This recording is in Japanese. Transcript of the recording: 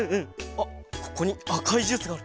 あっここにあかいジュースがある！